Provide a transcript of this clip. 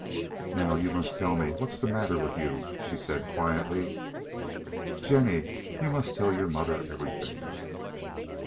"Now you must tell me what's the matter with you," she said quietly. "Jennie, you must tell your mother everything."